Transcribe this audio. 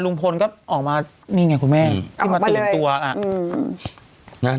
ลุงพลก็ออกมานี่ไงคุณแม่ที่มาตื่นตัวอ่ะ